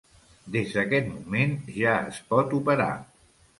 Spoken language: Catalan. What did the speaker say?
Des d'aquest moment ja es pot operar.